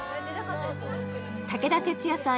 武田鉄矢さん